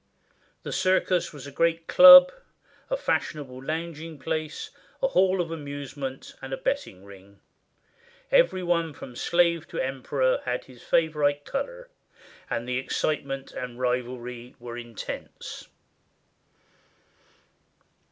The circus was a great club, a fashionable lounging place, a hall of amusement, and a betting ring. Every one from slave to emperor had his favorite color, and the excitement and rivalry were intense.